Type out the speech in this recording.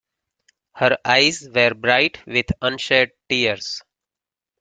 Her eyes were bright with unshed tears.